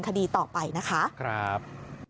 คดีต่อไปนะคะครับ